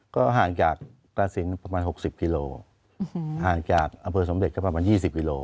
ก็ห่างจากตาสินประมาณ๖๐กิโลห่างจากอำเภอสมเด็จก็ประมาณ๒๐กิโล